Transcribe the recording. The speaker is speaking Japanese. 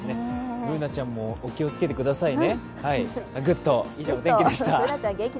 Ｂｏｏｎａちゃんも気をつけてくださいね。